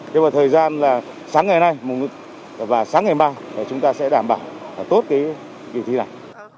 thế vào thời gian sáng ngày nay và sáng ngày mai chúng ta sẽ đảm bảo tốt kỳ thi này